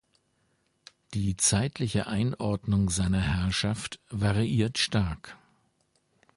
Die zeitliche Einordnung seiner Herrschaft variiert stark.